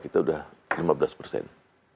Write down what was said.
kita sudah lima belas persen